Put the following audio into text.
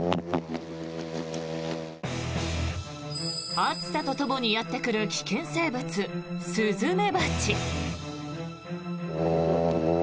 暑さとともにやってくる危険生物、スズメバチ。